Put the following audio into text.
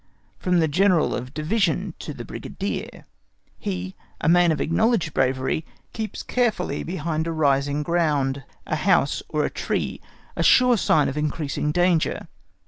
From the General of Division to the Brigadier. He, a man of acknowledged bravery, keeps carefully behind a rising ground, a house, or a tree—a sure sign of increasing danger.